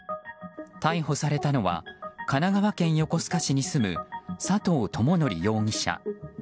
逮捕されたのは神奈川県横須賀市に住む佐藤友宣容疑者。